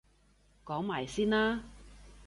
講埋先啦！